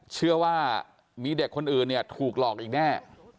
เชื่อว่ามีเด็กคนอื่นเนี่ยถูกหลอกอีกแน่